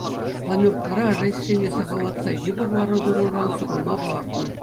Планеркӑра рейссене сахаллатса йывӑр лару-тӑруран хӑтӑлма палӑртнӑ.